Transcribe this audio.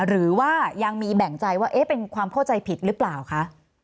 หรือว่ายังมีแบ่งใจว่าเป็นความเข้าใจผิดหรือเปล่าคะ